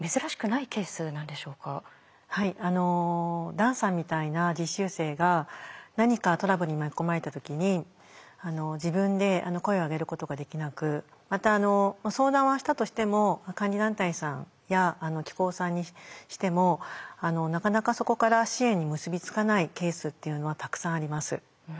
ダンさんみたいな実習生が何かトラブルに巻き込まれた時に自分で声を上げることができなくまた相談はしたとしても監理団体さんや機構さんにしてもなかなかそこから支援に結び付かないケースっていうのはたくさんあります。